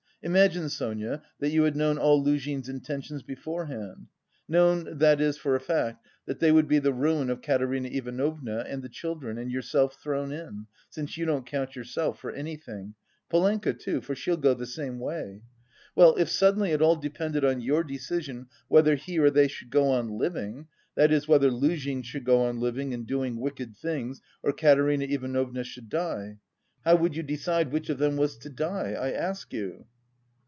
Imagine, Sonia, that you had known all Luzhin's intentions beforehand. Known, that is, for a fact, that they would be the ruin of Katerina Ivanovna and the children and yourself thrown in since you don't count yourself for anything Polenka too... for she'll go the same way. Well, if suddenly it all depended on your decision whether he or they should go on living, that is whether Luzhin should go on living and doing wicked things, or Katerina Ivanovna should die? How would you decide which of them was to die? I ask you?"